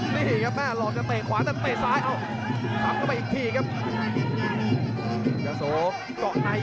นี่ครับแม่หลอกจะเตะขวาแต่เตะซ้าย